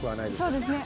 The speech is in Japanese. そうですね